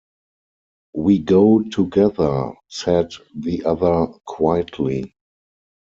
"We go together," said the other quietly.